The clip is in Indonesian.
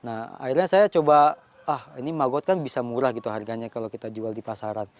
nah akhirnya saya coba ah ini magot kan bisa murah gitu harganya kalau kita jual di pasaran